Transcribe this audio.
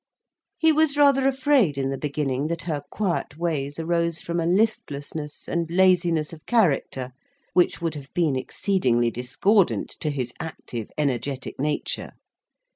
He was rather afraid, in the beginning, that her quiet ways arose from a listlessness and laziness of character which would have been exceedingly discordant to his active energetic nature.